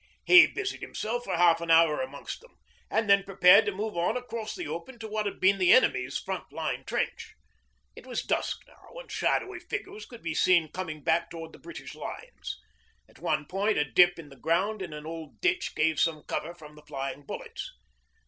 He busied himself for half an hour amongst them, and then prepared to move on across the open to what had been the enemy's front line trench. It was dusk now and shadowy figures could be seen coming back towards the British lines. At one point, a dip in the ground and an old ditch gave some cover from the flying bullets.